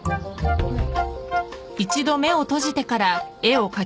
はい